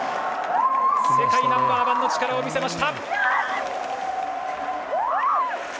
世界ナンバー１の力を見せました。